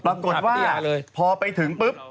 เขาบอกว่าโพรงเนี่ยจะตรงข้าวเลยปรากฏว่าพอไปถึงปึ๊บ